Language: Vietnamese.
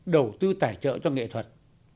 đầu tư tài trợ cho nghệ thuật